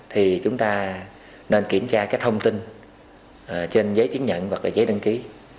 thì chúng ta nên kiểm tra cái thông tin trên giấy chứng nhận hoặc là giấy đăng ký